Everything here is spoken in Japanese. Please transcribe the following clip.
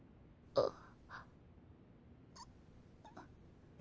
あっ。